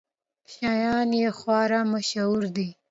شیان یې خورا مشهور دي.